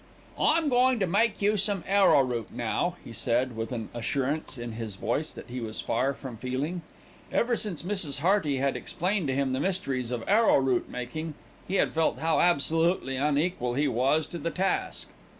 "I'm goin' to make you some arrowroot, now," he said, with an assurance in his voice that he was far from feeling. Ever since Mrs. Hearty had explained to him the mysteries of arrowroot making, he had felt how absolutely unequal he was to the task.